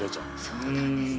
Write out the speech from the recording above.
そうなんですね。